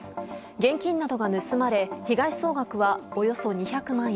現金などが盗まれ被害総額はおよそ２００万円。